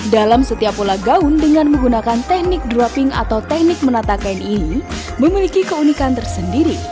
dalam setiap pola gaun dengan menggunakan teknik draping atau teknik menata kain ini memiliki keunikan tersendiri